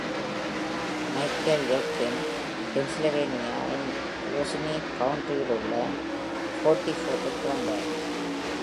Mitchell Jenkins Pennsylvania இன் Luzerne County இல் உள்ள Forty Fort,-இல் பிறந்தார்.